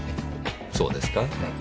そうですか？